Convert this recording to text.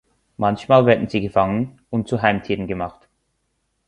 Manchmal werden sie gefangen und zu Heimtieren gemacht.